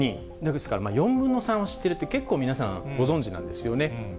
ですから４分の３は知っているって、結構皆さん、ご存じなんですよね。